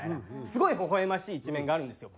すごいほほ笑ましい一面があるんですよ。